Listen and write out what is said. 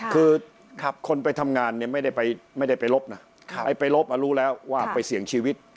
คือคนไปทำงานเนี่ยไม่ได้ไปลบนะไปลบรู้แล้วว่าไปเสี่ยงชีวิต